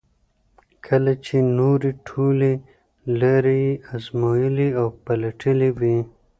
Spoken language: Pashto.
کله چې نورې ټولې لارې یې ازمایلې او پلټلې وي.